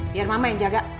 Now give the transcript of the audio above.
biar mama yang jaga